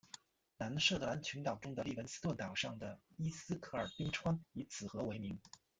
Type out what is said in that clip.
南设得兰群岛中的利文斯顿岛上的伊斯克尔冰川以此河为名。